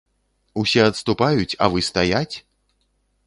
Усе адступаюць, а вы стаяць?